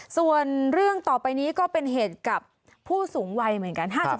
ส่วนเรื่องต่อไปนี้ก็เป็นเหตุกับผู้สูงวัยเหมือนกัน